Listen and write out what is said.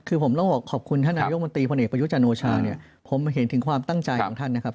คือผมต้องบอกขอบคุณท่านนายกมนตรีพลเอกประยุจันทร์โอชาเนี่ยผมเห็นถึงความตั้งใจของท่านนะครับ